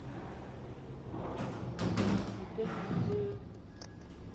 Bi te n'noung djeu?